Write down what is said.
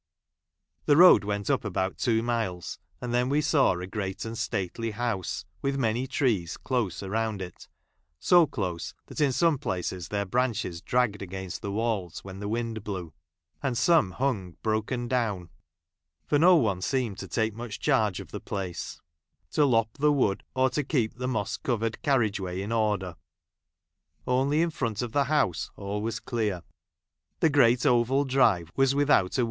The road went up about two miles, and then we saw a great and stately house, with many trees close around it, so close that in some places their branches dragged against the ■walls when the wind blew ; and some hung broken down ; for no one seemed to take much charge of the place j — to lop the wood, or to keep the moss covered carriage¬ way order. Only in front of the house all . was clear. The great oval drive was without a